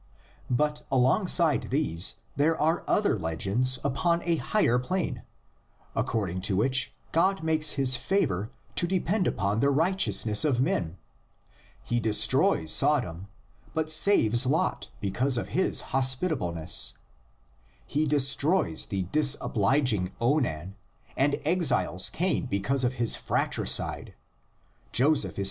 But alongside these there are other legends upon a higher plane, according to which God makes his favor to depend upon the righteousness of men: he destroys sinful Sodom, but saves Lot because of his hospitableness; he destroys the disobliging Onan, and exiles Cain because of his fratricide; Joseph is 108 THE LEGENDS OF GENESIS.